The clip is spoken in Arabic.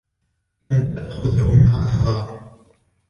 لم تأخذه معها